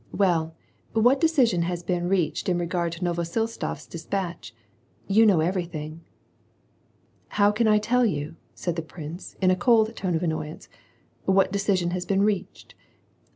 — Well, what decision has been reached in regard to Novosiltsof's despatch? You know everything." " How can I tell you," said the prince, in a cold tone of annoyance, "what decision has been reached?